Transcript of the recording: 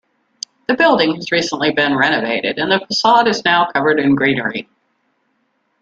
The building has recently been renovated and the facade is now covered in greenery.